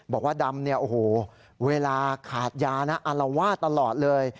บอกว่าดำเนี่ยโอ้โหเวลาขาดยานะอารวาสตลอดเลย